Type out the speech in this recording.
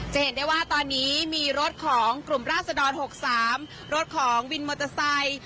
จะเห็นได้ว่าตอนนี้มีรถของกลุ่มราศดร๖๓รถของวินมอเตอร์ไซค์